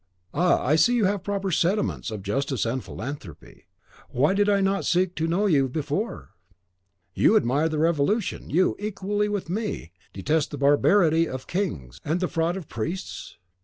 "Ah, I see you have proper sentiments of justice and philanthropy. Why did I not seek to know you before? You admire the Revolution; you, equally with me, detest the barbarity of kings and the fraud of priests?"